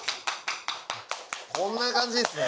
こんな感じっすね